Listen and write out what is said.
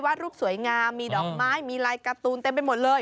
รูปสวยงามมีดอกไม้มีลายการ์ตูนเต็มไปหมดเลย